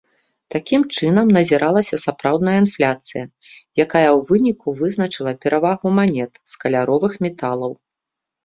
Такім чынам назіралася сапраўдная інфляцыя, якая ў выніку вызначыла перавагу манет з каляровых металаў.